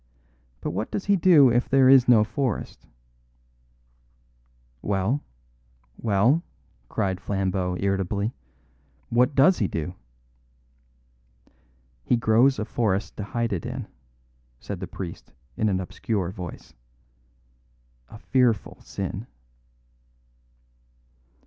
But what does he do if there is no forest?" "Well, well," cried Flambeau irritably, "what does he do?" "He grows a forest to hide it in," said the priest in an obscure voice. "A fearful sin."